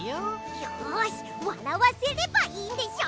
よしわらわせればいいんでしょ。